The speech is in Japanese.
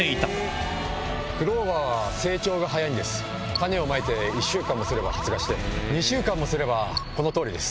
実はこの作戦１週間もすれば発芽して２週間もすればこの通りです。